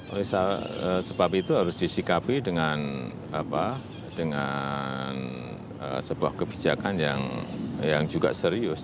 oleh sebab itu harus disikapi dengan sebuah kebijakan yang juga serius